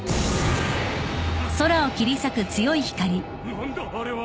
何だあれは！？